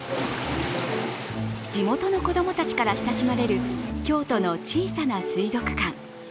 地元の子供たちから親しまれる京都の小さな水族館。